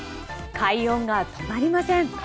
快音が止まりません。